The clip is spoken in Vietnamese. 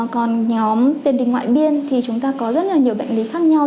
còn nhóm tên đình ngoại biên thì chúng ta có rất là nhiều bệnh lý khác nhau